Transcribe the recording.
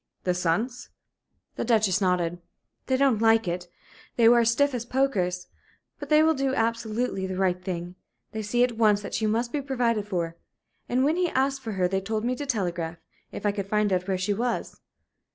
"The sons?" The Duchess nodded. "They don't like it. They were as stiff as pokers. But they will do absolutely the right thing. They see at once that she must be provided for. And when he asked for her they told me to telegraph, if I could find out where she was.